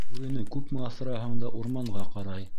Бүрене күпме аҫыраһаң да урманға ҡарай.